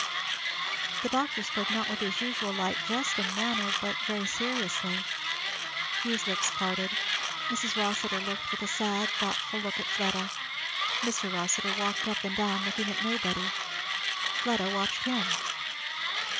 The doctor spoke not with his usual light jesting manner but very seriously. Hugh's lips parted, Mrs. Rossitur looked with a sad thoughtful look at Fleda, Mr. Rossitur walked up and down looking at nobody. Fleda watched him.